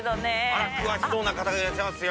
あら詳しそうな方がいらっしゃいますよ